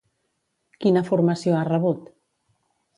Quina formació ha rebut?